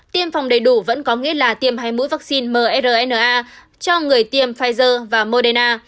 tiêm phòng đầy đủ vẫn có nghĩa là tiêm hay mũi vaccine mrna cho người tiêm pfizer và moderna